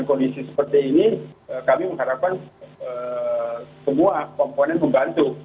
kondisi seperti ini kami mengharapkan semua komponen membantu